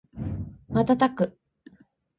瞬く